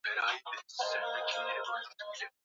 Mkuu wa haki za binadamu wa Umoja wa Ulaya siku ya Jumatano